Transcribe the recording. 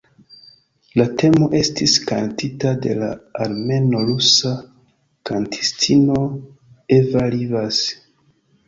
La temo estis kantita de la armeno-rusa kantistino Eva Rivas.